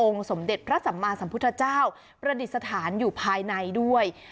สมเด็จพระสัมมาสัมพุทธเจ้าประดิษฐานอยู่ภายในด้วย